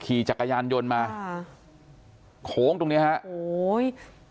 ขี่จักรยานยนต์มาค่ะโค้งตรงเนี้ยฮะโอ้โห